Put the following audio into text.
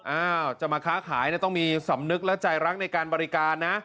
อ้าวจะมาค้าขายต้องมีสำนึกและใจรักในการบริการนะ